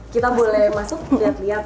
kita boleh masuk lihat lihat